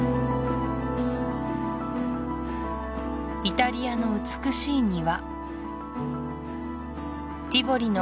イタリアの美しい庭